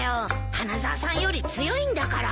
花沢さんより強いんだから。